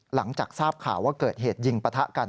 หลังจากทราบข่าวว่าเกิดเหตุยิงปะทะกัน